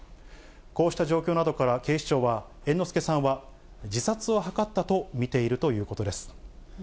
こうした状況などから、警視庁は、猿之助さんは自殺を図ったと見ているということです。